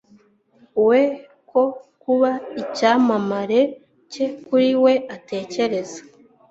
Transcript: We ko kuba icyamamare cye kuri we atekereza